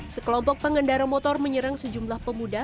sekelompok pengendara motor menyerang sejumlah pemuda